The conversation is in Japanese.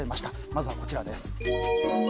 まずは、こちらです。